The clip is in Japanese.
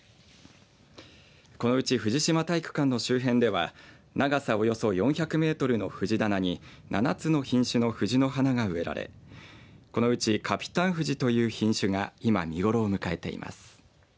このうち藤島体育館の周辺では長さおよそ４００メートルの藤棚に７つの品種の藤の花が植えられこのうちカピタン藤という品種が今、見頃を迎えています。